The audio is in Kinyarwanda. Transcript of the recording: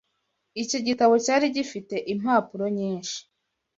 Icyo gitabo cyari gifite impapuro nyinshi.